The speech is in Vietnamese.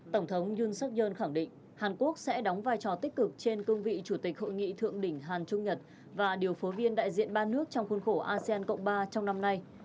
tổng thống yoon seok yoon khẳng định hàn quốc sẽ đóng vai trò tích cực trên cương vị chủ tịch hội nghị thượng đỉnh hàn trung nhật và điều phối viên đại diện ba nước trong khuôn khổ asean cộng ba trong năm nay